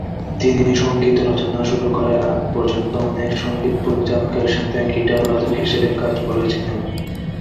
তিনি সঙ্গীত রচনা শুরু করার আগ পর্যন্ত অনেক সঙ্গীত পরিচালকের সাথে গিটার বাদক হিসেবে কাজ করেছিলেন।